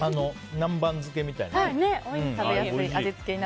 南蛮漬けみたいな。